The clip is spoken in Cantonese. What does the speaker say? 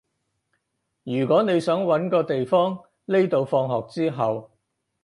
如果你想搵個地方匿到放學之後